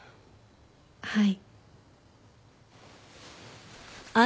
はい。